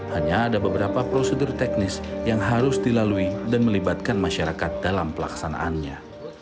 hanya ada beberapa prosedur teknis yang harus dilalui dan melibatkan masyarakat dalam pelaksanaannya